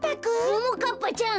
ももかっぱちゃん！